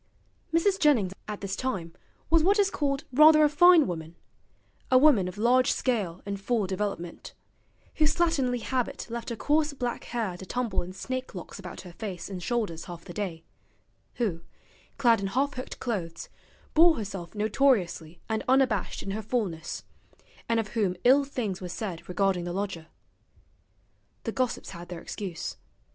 Mrs. Jennings at this time was what is called rather a fine woman: a woman of large scale and full development; whose slatternly habit left her coarse black hair to tumble in snake locks about her face and shoulders half the day; who, clad in half hooked clothes, bore herself notoriously and unabashed in her fullness; and of whom ill things were said regarding the lodger. The gossips had their excuse.